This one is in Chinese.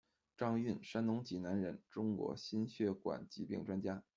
张运，山东济南人，中国心血管疾病专家。